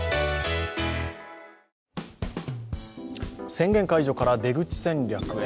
宣言解除から出口戦略へ。